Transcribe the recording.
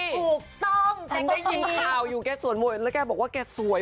ถูกต้องฉันได้ยินข่าวอยู่แกสวดมนต์แล้วแกบอกว่าแกสวย